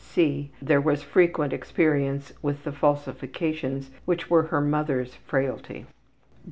(e) There was frequent experience with the falsifications which were her mother's frailty.